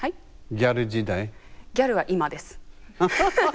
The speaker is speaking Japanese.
ギャルは今です。